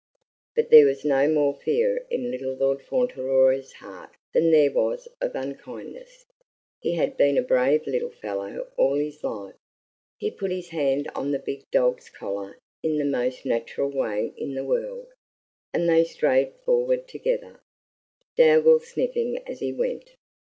But there was no more fear in little Lord Fauntleroy's heart than there was unkindness he had been a brave little fellow all his life. He put his hand on the big dog's collar in the most natural way in the world, and they strayed forward together, Dougal sniffing as he went.